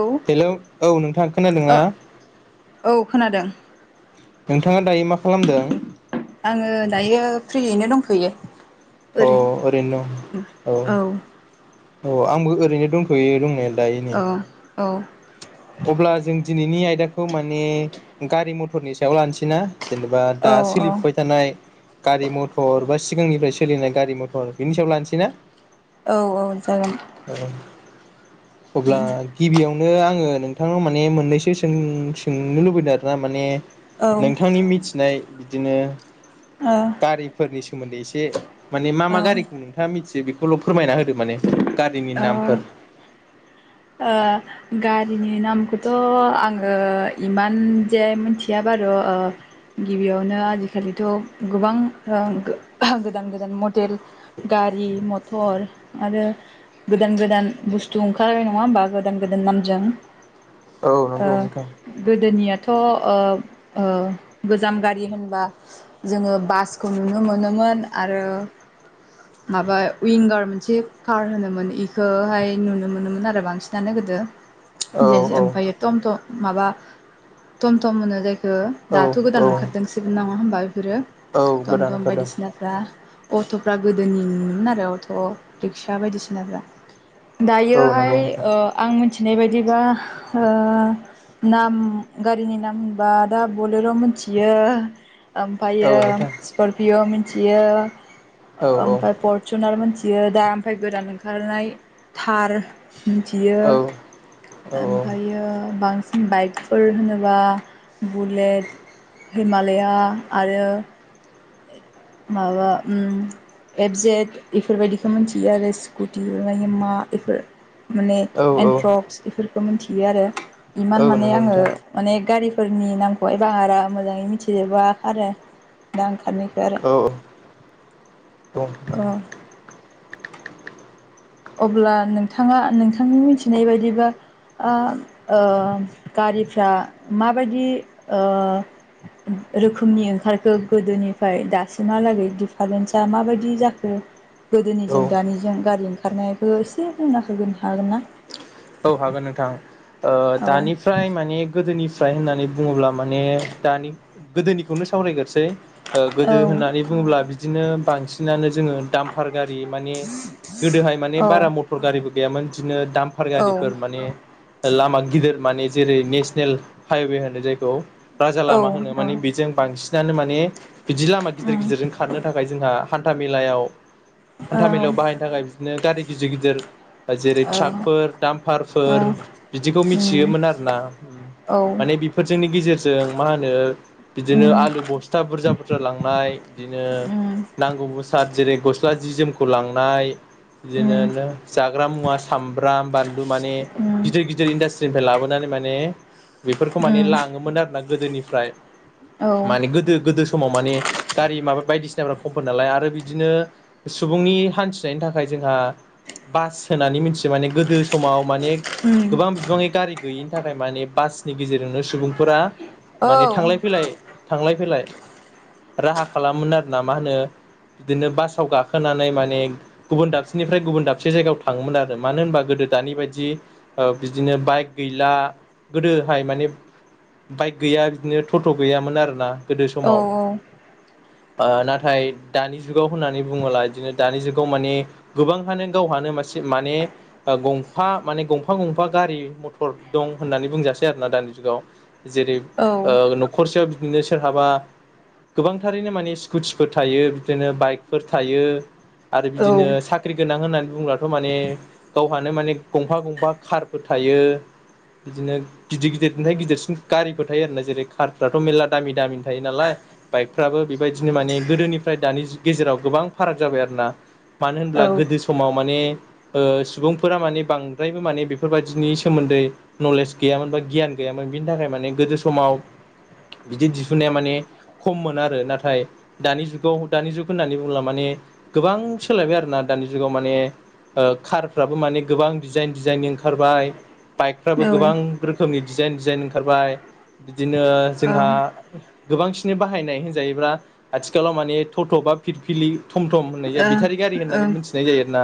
औ हेलौ औ नोंथाङा खोनादोंना ओ औ खोनादों नोंथाङा दायो मा खालामदों आङो दायो फ्रियैनो दंथ'यो औ ओरैनो दं औ औ औ आंबो ओरैनो दंथ'यो दंनाया दायो नै औ औ अब्ला जों दिनैनि आयदाखौ माने गारि मथरनि सायाव लानोसै ना जेनेबा दा औ औ सोलिफुबाय थानाय गारि मथर बा सिगांनिफ्राय सोलिनाय गारि मथर बिनि सायाव लानोसै ना औ औ जागोन औ अब्ला गिबियावनो आङो नों नोंथाङाव माने मोननैसो सों सोंनो लुबैदों आरोना माने औ ओ नोंथांनि मिथिनाय बिदिनो गारिफोरनि सोमोन्दै एसे माने मा मा औ गारिखौ नोंथाङा मिथि जे बेखौल' फोरमायना होदो माने गारिनि औ नामफोर। ओ गारिनि नामखौथ' आङो इमान जे मिथिया बारु गिबियावनो आजिखालिथ' गोबां गोदान -गोदान मडेल गा गारि -मथर आरो गोदान- गोदान बुसथु ओंखारबाय नङा होनबा? गोदान -गोदान नामजों औ ओ नंगौ नोंथां गोदोनियाथ' ओं-ओं गोजाम गारि होनबा जोङो बासखौ नुनो मोनोमोन। आरो माबा विंगार मोनसे कार होनोमोन इखौहाय नुनो मोनोमोन आरो बांसिन। जानो गोदो औ जे औ ओमफ्राय टम -टम माबा टम- थम होनो जाय औ दाथ' औ गोदान ओंखारदोंसबो नङा होनोमबा बेफोरो औ टम- गोदान टम ओंखारदों बायदि सिनाफ्रा। अट'फ्रा गोदोनिनो मोन आरो अट' रिक्सा बायदि सिनाफ्रा। औ नंगौ दायोहाय नोंथां आं मिथिनाय बायदिबा ओ नाम गारिनि नाम होनबा दा बलड' मिथियो औ ओमफ्रायो नोंथां स्करपिय' मिथियो औ औ ओमफ्राय फरसुनार मिन्थियो। बियो दा ओमफाय गोदान ओंखारनाय थार मिथियो औ औ ओमफायो बां -सिन बाइकफोर होनोबा बुलेट हिमालाया आरो माबा अम एबजेट बेफोरबायदिखौ मिथियो आरो स्कुटि मामे मा बेफोर माने औ औ एन्ट्रक्स बेफोरखौ मिथियो आरो इमान औ माने नंगौ आङो नोंथां माने गारि फोरनि नामखौहाय बारा मोजाङै मिथिजोबा आरो दा ओं निफ्राय आरो औ औ ओ अब्ला नोंथाङा नोंथांनि मिथिनाय बायदिबा अ ओ गारिफ्रा माबायदि ओ रोखोमनि ओंखारखो गोदोनिफ्राय दासिमहालागै दिडिफारेन्सा माबायदि जाखो औ गोदोनिजों दानिजों गारि ओंखारनायखो एसे बुंना होगोन हागोन ना? औ हागोन नोंथां। ओ औ दानिफ्राय माने गोदोनिफ्राय होननानै बुङोब्ला माने दानि गोदोनिखौनो सावरायगोरसै। ओ औ गोदो होननानै बुङोब्ला बिदिनो बांसिनानो जोङो दामफार गारि माने गोदोहाय माने औ बारा मटर गारिबो गैयामोन बिदिनो दामफार औ गारिफोर माने लामा गिदिर माने जेरै नेसनेल हाइवे होनो जायखौ राजा औ लामा होनो माने बेजों बांसिनानो माने बिदि लामा गिदिर उम गिदिरजों खारनो थाखाय जोंहा हान्था मेलायाव औ हान्था मेलायाव बाहायनो थाखाय बिदिनो गारि गिदिर गिदिर जेरै ट्राक फोर दामफारफोर बिदिखौ उम मिथियोमोन आरो ना उम। औ माने बेफोरजोंनि गेजेरजों मा होनो बिदिनो उम आलु बस्था बुरजा बुरजा लांनाय बिदिनो उम नांगौ ब'साद जेरै गस्ला जि जोमखौ लांनाय उम बिदिनो जाग्रा मुवा साम ब्राम, बानलु माने गिदर गिदिर इनदास्ट्रिनिफ्राय लाबोनानै माने बेफोरखौ उम माने लाङोमोन आरो दा गोदोनिफ्राय औ माने गोदो गोदो समाव माने गारि माबा बायदिसिनाफ्रा खमफोर नालाय आरो बि दिनो सुबुंनि हान्थिनायनि थाखाय जोंहा बास होनानै मिथि यो। माने गोदो समाव माने उम गोबां बिबाङै गारि गैयिनि थाखाय माने बासनि गेजेरजोंनो सुबुंफोरा औ माने थांलाय फैलाय, थांलाय फैलाय राहा खालामोन आरो ना मा होनो बिदिनो बासाव गाखोनानै माने गुबुन दाबसेनिफ्राय गुबुन दाबसे जायगायाव थाङोमोन आ रो मानो होनबा गोदो दानि बायदि ओ बिदिनो बाइक गैला गोदोहाय माने बाइक गैया बिदिनो टट' गैयामोन आरो ना। गोदो औ समाव। ओ नाथाय दानि जुगाव होननानै बुङोला बिदिनो दानि जुगाव माने गोबांहानो गावहानो मा माने गंफा माने गंफा गंफा गारि मथर दं होननानै बुंजासै आरो ना दानि जुगाव। जेरै ओ न'खरसेयाव बिदिनो सोरहाबा गोबां थारैनो माने स्कुटिफोर थायो बिदिनो बाइकफोर थायो। आरो बिदिनो साख्रि गोनां होननानै बुंब्लाथ' माने गावहानो माने गंफा गंफा खारफोर थायो। बिदिनो गिदिर गिदिरनिफाय गिदिरसिन गारिबो थायो आरो ना जेरै कारफ्राथ' मेरला दामि दामि थायो नालाय बाइकफ्राबो बेबायदिनो माने गोदोनिफ्राय दानि जु गेजेराव गोबां फाराग जाबाय आरो ना। मानो होनब्ला गोदो समाव माने ओ सुबुंफोरा माने बांद्रायबो माने बेफोरबायदिनि सोमोन्दै नलेज गैयामोन बा गियान गैयामोन। बिनि थाखाय मा माने गोदो समाव बिदि दिहुनाया माने खममोन आरो नाथाय दानि जुगाव दानि जुग होननानै बुङोब्ला माने गोबां सोलायबाय आरो ना दा दानि जुगाव माने ओ कारफ्राबो माने गोबां डिजाइन डिजाइननि ओंखारबाय। बाइकफ्राबो गोबां रोखोमनि डिजाइन डिजाइन ओंखारबाय। बिदिनो जोंहा गोबांसिन बाहायनाय होनजायोब्ला आथिखालाव माने थ'थ' बा फिरफिलि थम थम होननाय जा बेथारि गारि ओ होननानै मिथिनाय जायो आरो ना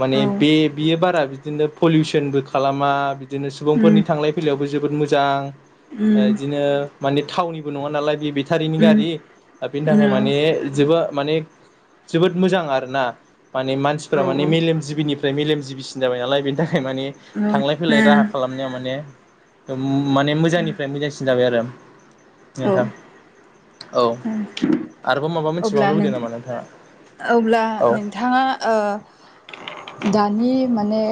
माने ओ औ बे बियो बारा बिदिनो पलिउसनबो खालामा। बिदिनो उम सुबुंफोरनि थांलाय फैलायावबो जोबोद मोजां। ओ उम इदिनो माने थावनिबो नङा नालाय बे बेथारिनि उम गारि बेनि थाखाय माने जोबा माने जोबोद मोजां आरो ना। माने औ मानसिफोरा माने मेलेम जिबिनि फ्राय मेलेमजिबिसिन जाबाय नालाय बेनि थाखाय माने औ थांलाय फैलाय राहा खालामनायाव माने माने मोजांनिफ्राय मोजांसिन जाबाय आरो नोंथां। औ उम। आरोबाव माबा अब्ला मोनथिबावनो लुबैदों नोथां नामा नोंथाङा अब्ला औ नोंथाङा ओ दानि माने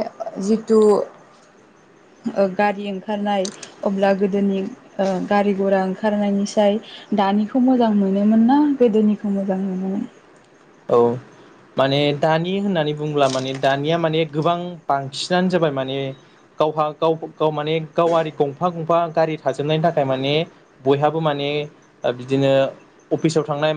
जिथु ओ गारि ओंखारनाय अब्ला गोदोनि ओ गारि घरा ओंखारनायनिसाय दानिखौ मोजां मोनोमोन ना गोदोनिखौ मोजां मोनोमोन औ। माने दानि होननानै बुङोब्ला माने दानिया माने गोबां बांसिनानो जाबाय माने गावहा गाव गाव माने गावारि गंफा गंफा गारि थाजोबनायनि थाखाय माने बयहाबो माने बिदिनो अफिसाव थांनाय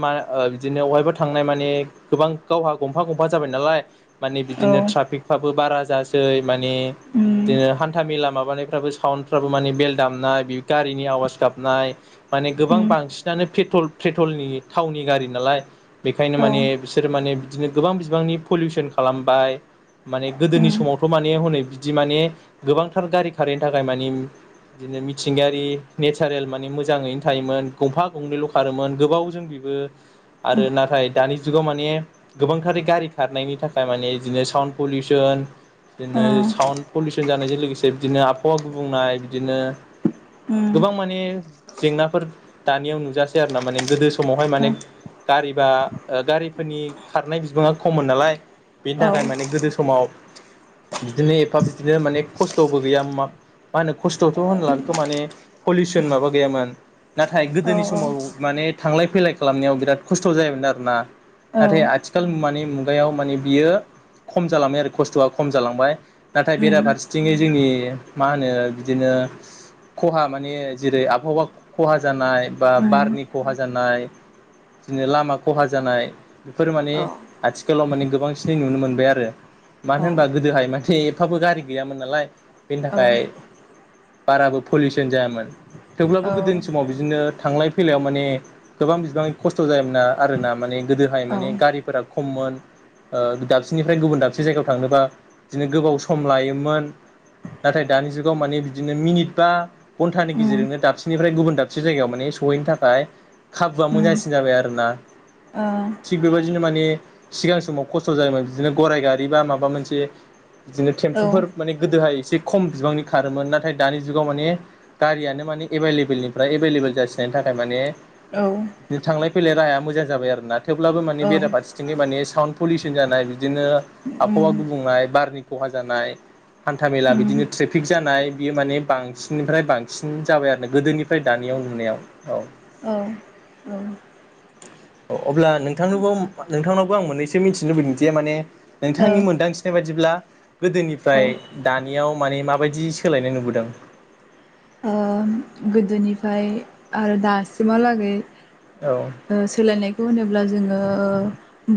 बिदिनो बेहाया थांनाय म गोबां गावहा गंफा गंफा जाबाय नालाय मान औ बिदिनो थ बारा जासै माने उम बिदिनो हान्था मेला माबानायफ्राबो साउन्डफ्राबो माने बेल दामनाय गारिनि आवाज गाबनाय माने गोबां उम बांसिनानो पेट्रल पेट्रलनि थावनि गारि नालाय बेखायनो औ माने बिसोर माने बिदिनो गोबां बिबांनि पलिउसन खालामबाय माने गोदोनि उम समावथ माने हनै बिदि माने गोबांथार गारि खारैनि थाखाय माने बिदिनो मिथिंगायारि नेचारेल माने मोजाङैनो थायोमोन गंफा गंनैल खारोमोन गोबाव जों आरो नाथाय दानि जुगाव माने गोबांथार गारि खारनायनि थाखाय माने बिदिनो साउन्ड पलिउसन बिदिनो ओ साउन्ड पलिउसन जानायजों लोगोसे बिदिनो आबहावा गुबुंनाय बिदिनो उम गोबां माने जेंनाफोर दानियाव नुजासै आरो ना माने गोदो समावहाय औ माने गारिबा गारिफोरनि खारनाय बिबाङा खममोन नालाय बेनि औ थाखाय माने गोदो समाव बिदिनो एफा बिदिनो माने खस्थबो गैया हा मा होनो खस्थथ होनलांखो माने पलिउसन माबा गैयामोन नाथाय औ गोदोनि समाव माने थांलाय फैलाय खालामनायाव बिराद खस्थ जायोमोन आरो आरो ना औ नाथाय आथिखालु मानि मुगायाव माने बियो खम जालांबाय आरो खस्थआ खम जालांबाय नाथाय उम बेराफारसेथिङै जोंनि मा होनो बिदिनो खहा मान जेरै आबहावा खहा जानाय बा उम बारनि खहा जानाय बिदिनो लामा खहा जानाय बेफोरो माने औ आथिखालाव माने गोबांसिनै नुनो मोनबाय आरो मानो औ होनबा गोदोहाय मानसि एसे एफाबो गारि गैयामोन नालाय बेनि औ थाखाय बाराबो पलिउसन जायामोन थेवब्लाबो औ गोदोनि समाव बिदिनो थांलाय फैलायाव माने गोबां बिबां खस्थ' जायोमोना आरोना माने गोदोहाय औ माने गारिफोरा खममोन दाबसेनिफ्राय गुबुन दाबसे जायगायाव थांनोबा बिदिनो गोबाव सम लायोमोन नाथाय दानि जुगाव माने बिदिनो मिनिट बा घन्टानि उम गेजेरजोंनो दाबसेनिफ्राय गुबुन दाबसे जायगायाव माने सहैनो थाखाय खाबुआ मोजांसिन जाबाय आरोना ओ थिग बेबायदिनो माने सिगां समाव खस्थ' जायोमोन बिदिनो गराइ गारि बा माबा मोनसे बिदिनो औ थेम्फुफोर माने गोदोहाय एसे खम बिबांनि खारोमोन नाथाय दानि जुगाव माने गारियानो माने एभलेबलनिफ्राय एभलेबल जासिनायनि थाखाय थारमाने औ फैलाय राया मोजां जाय आरोना थेवब्लाबो माने औ बेराफारथिं माने साउन्ड पलिउसन जानाय बिदिनो आबहावा उम गुबुंनाय बारनि खहा जानाय हान्था मेला उम बिदिनो ट्रेफिक जानाय बियो माने बांसिननिफ्राय बांसिन जाबाय आरो गोदोनिफ्राय दानि याव नुनायाव औ औ ओ अब्ला नोंथांनोबाव नोंथांनावबो आं मोन्नैसो मिथिनो लुबैदोंदि माने औ नोंथांनि ओ मोनदांथिनाय बादिब्ला गोदोनिफ्राय दानि याव माने माबायदि सोलायनाय नुबोदों ओ गोदोनिफ्राय आरो दासिमहालागै औ ओ सोलायनायखौ होनोब्ला ब्ला जोङो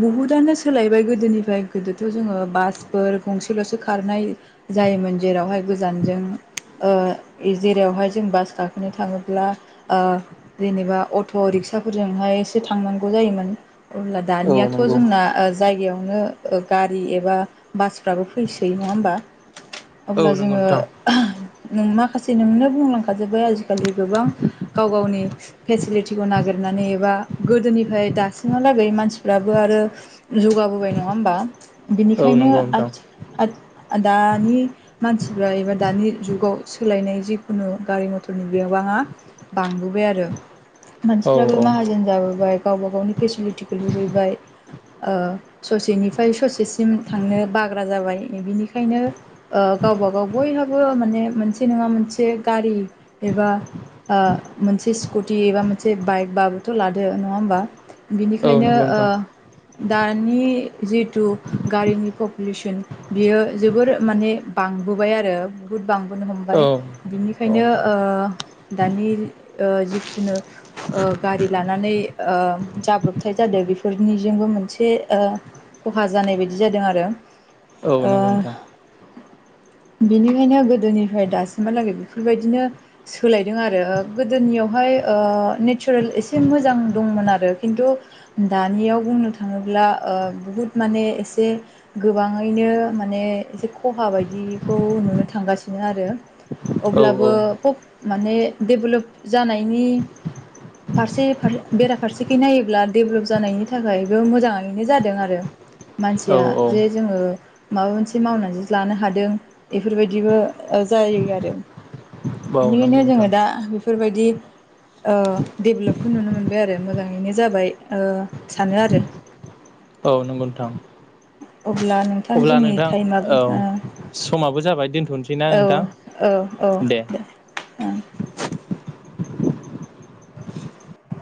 बुहुदानो सोलायबाय गोदोनिफ्राय गोदोथ' जोङो बासफोर गंसे ल'सो खारनाय जायोमोन जेरावहाय गोजानजों ओ जेरावहाय जों बास गाखोनो थाङोब्ला ओ जेनेबा अट' रिक्साफोरजोंहाय एसे थांनांगौ जायोमोन अब्ला औ दानियाथ' नंगौ जोंना ओ जायगायाव नो गारि एबा बासफ्राबो फैसोयो नङा होमबा औ अब्ला नंगौ जोङो नोंथां नों माखासे नोंनो बुंलांखा थाजोबो आजिखालि गोबां गाव गावनि फेसिलिटिखौ नागिरनानै एबा गोदोनिफ्राय दासिमहालागै मानसि फोराबो आरो जौगाबोबाय नङा होमबा औ बिनिखायनो नंगौ नोंथां आथि आद दानि मानसिफ्रा एबा दानि जुगाव [unintelligible] जिखुनु गारि मथरनि बिबाङा बांबोबाय आरो औ मानसिफ्राबो औ माहाजोन जाबोबाय गावबा गावनि फेसिलिटिखौ लुबैबाय ओ ससेनिफ्राय ससेसिम थांनो बाग्रा जाबाय बिनिखायनो ओ गावबा गाव बयहाबो माने मोन से नङा मोनसे गारि एबा ओ मोनसे स्कुटि एबा मोनसे बाइक बाबोथ' लादो नङा होमबा औ बिनिखायनो नंगौ ओ नोंथां दानि जिथु गारिनि पपुलेसन बियो जोबोर माने बांबोबाय आरो बुहुत बांबोनो हम औ बाय औ बिनिखायनो ओ दानि ओ जिखुनु ओ गारि लानानै ओ जाब्रबथाय जादों बेफोरनि बिजोंबो मोनसे ओ खहा जानाय बायदि जादों आरो औ नंगौ ओ नोंथां बेनिखायनो गोदोनि फ्राय दासिमहालागै बेफोरबायदिनो सोलायदों आरो गोदोनियावहाय ओ नेचारेल एसे मोजां दंमोन आरो खिन्थु दानियाव बुंनो थाङोब्ला ओ बुहुत माने एसे गोबाङैनो माने एसे खहा बायदिखौ नुनो थांगासिनो आरो औ औ अब्लाबो फब माने डेभेलप जानायनि फारसे फार बेराफारसेखि नायोब्ला डेभेलप जानायनि थाखाय बे मोजाङैनो जादों आरो औ मानसिया औ जे जोङो माबा मोनसे मावनानै लानो हादों बेफोरबायदिबो ओ जायो आरो औ नंगौ बेनिखायनो नोंथां जोङो दा बेफोरबायदि ओ डेभलपखौ नुनो मोनबाय आरो मोजाङैनो जाबाय ओ सानो आरो औ नंगौ नोंथां अब्ला नोंथां अब्ला जोंनि नोंथां टाइमा औ समाबो जाबाय दोनथनोसैना औ औ औ नोंथां दे ओं [inaudible]